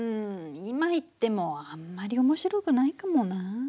今行ってもあんまり面白くないかもなあ。